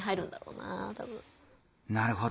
なるほど。